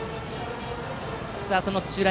その土浦